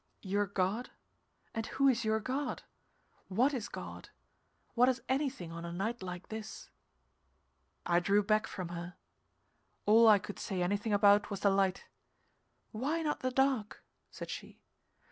"Your God? And who is your God? What is God? What is anything on a night like this?" I drew back from her. All I could say anything about was the light. "Why not the dark?" said she.